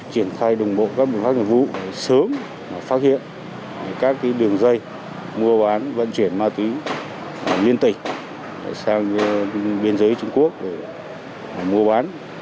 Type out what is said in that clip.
triển thai đồng bộ các việc phát triển vụ sớm phát hiện các đường dây mua bán vận chuyển ma túy liên tịch sang biên giới trung quốc mua bán